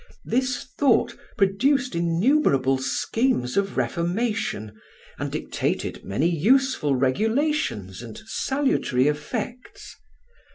This thought produced innumerable schemes of reformation, and dictated many useful regulations and salutary effects.